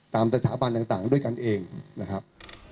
ตามสถาบันต่างด้วยกันเองนะครับ